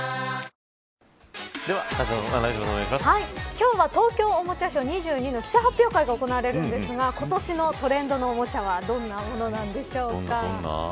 今日は東京おもちゃショー２０２２の発表会が行われるんですが今年のトレンドのおもちゃはどんなものなんでしょうか。